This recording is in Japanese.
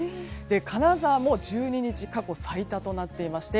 金沢も１２日過去最多となっていまして